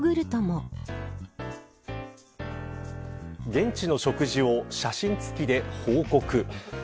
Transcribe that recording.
現地の食事を写真付きで報告。